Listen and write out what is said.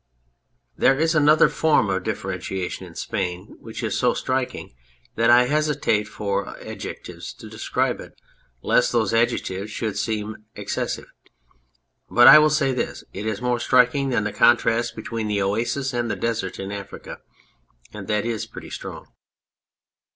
There is another form of differentiation in Spain which is so striking that I hesitate for adjectives to describe it lest those adjectives should seem exces sive ; but I will say this, it is more striking than the contrast between the oasis and the desert in Africa, and that is pretty strong.